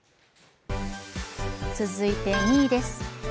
続いて２位です。